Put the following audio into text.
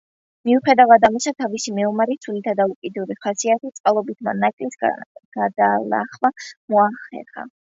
მიუხედავად ამისა, თავისი მეომარი სულითა და უდრეკი ხასიათის წყალობით მან ამ ნაკლის გადალახვა მოახერხა.